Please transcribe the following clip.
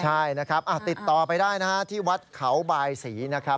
ใช่นะครับติดต่อไปได้นะฮะที่วัดเขาบายศรีนะครับ